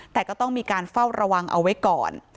แต่ก็ต้องมีการเฝ้าระวังเอาไว้ก่อน